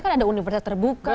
kan ada universitas terbuka